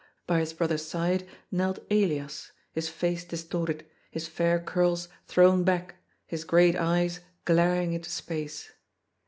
By his brother's side knelt Elias, his face distorted, his fair curls thrown back, his great eyes glaring into space.